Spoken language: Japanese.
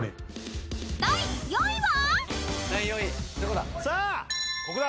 ［第４位は］